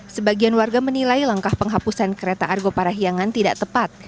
sebagian warga menilai langkah penghapusan kereta argo parahiangan tidak tepat